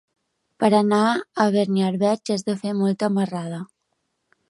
Per anar a Beniarbeig has de fer molta marrada.